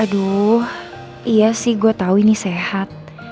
aduh iya sih gue tahu ini sehat